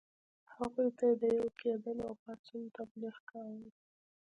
هغوی ته یې د یو کېدلو او پاڅون تبلیغ کاوه.